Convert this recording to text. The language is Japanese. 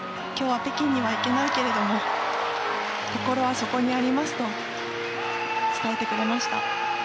今日は北京には行けないけれども心はそこにありますと伝えてくれました。